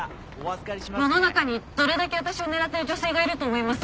世の中にどれだけ私を狙っている女性がいると思います？